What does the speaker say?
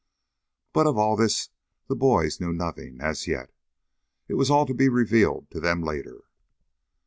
But of all this the boys knew nothing as yet. It was all to be revealed to them later.